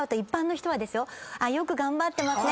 「よく頑張ってますね」